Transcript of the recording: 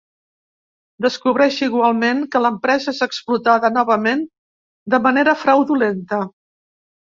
Descobreix igualment que l'empresa és explotada novament de manera fraudulenta.